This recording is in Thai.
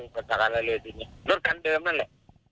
อุปสรรคอะไรเลยทีนี้รถกันเดิมนั่นแหละ